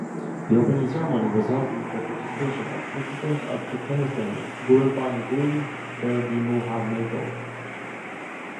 The opening ceremony was held with the participation of President of Turkmenistan Gurbanguly Berdimuhamedov.